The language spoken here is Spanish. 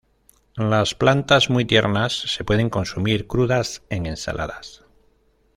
Las plantas muy tiernas se pueden consumir crudas en ensaladas.